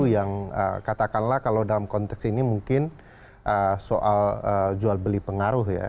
yang katakanlah kalau dalam konteks ini mungkin soal jual beli pengaruh ya